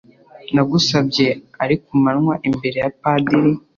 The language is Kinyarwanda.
Nagusabye ari kumanywa imbere ya padiri